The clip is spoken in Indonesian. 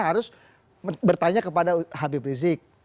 harus bertanya kepada habib rizik